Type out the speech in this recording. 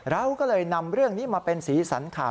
เราก็เลยนำเรื่องนี้มาเป็นสีสันข่าว